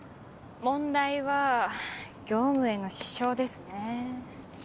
問題は業務への支障ですね。